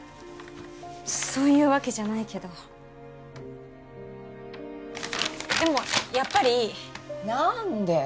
そういうわけじゃないけどでもやっぱりいい何で？